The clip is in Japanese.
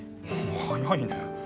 早いね。